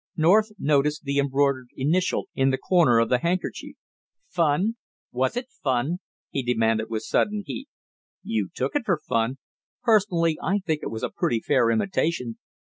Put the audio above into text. North noticed the embroidered initial in the corner of the handkerchief. "Fun! Was it fun?" he demanded with sudden heat. "You took it for fun. Personally I think it was a pretty fair imitation."